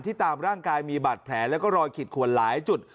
ที่ตามร่างกายมีบัตรแผลและรอยขิดขวนหลายจุด